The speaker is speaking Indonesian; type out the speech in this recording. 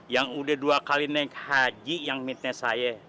yang udah dua kali naik haji yang meetnya saya